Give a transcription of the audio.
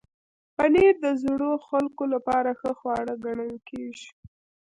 پنېر د زړو خلکو لپاره ښه خواړه ګڼل کېږي.